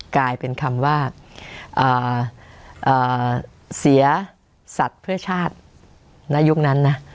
กลายเป็นคำว่าเสียสัตว์เพื่อชาติในยุคนั้นนะ